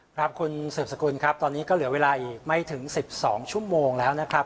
ครับคุณสืบสกุลครับตอนนี้ก็เหลือเวลาอีกไม่ถึง๑๒ชั่วโมงแล้วนะครับ